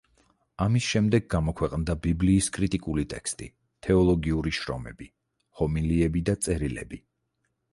ამის შემდეგ გამოქვეყნდა ბიბლიის კრიტიკული ტექსტი, თეოლოგიური შრომები, ჰომილიები და წერილები.